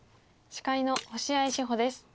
司会の星合志保です。